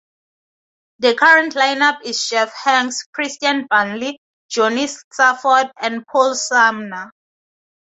The current line-up is Jeff Hanks, Christian Blaney, Jonny Safford and Paul Sumner.